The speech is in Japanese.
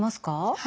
はい。